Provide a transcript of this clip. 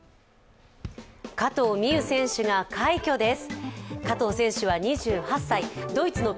加藤未唯選手が快挙です。